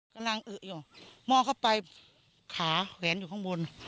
กำลังเกอะเดี๋ยวมอเข้าไปขาแหวนอยู่ข้างบน